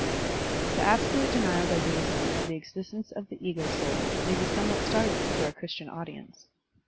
The absolute denial by Buddhism of the existence of the ego soul may be somewhat startling to our Christian audience.